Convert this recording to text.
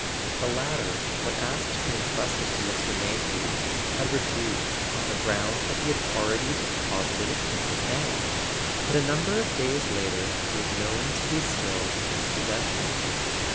The latter, when asked to entrust it to Mr. Mayhew, had refused on the ground that he had already deposited it in the bank; but a number of days later it was known to be still in his possession.